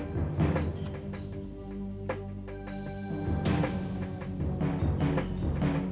buka pintu ra